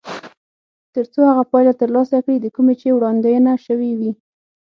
تر څو هغه پایله ترلاسه کړي د کومې چې وړاندوينه شوې وي.